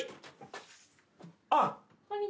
あっ。